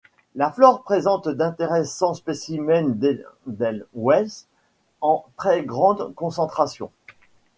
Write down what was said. La flore présente d'intéressants spécimens d'Edelweiss en très grande concentration.